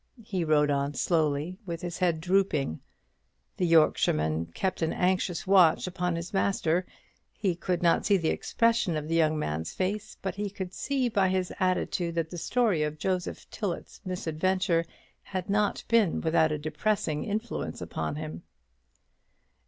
He rode on slowly, with his head drooping. The Yorkshireman kept an anxious watch upon his master; he could not see the expression of the young man's face, but he could see by his attitude that the story of Joseph Tillet's misadventure had not been without a depressing influence upon him.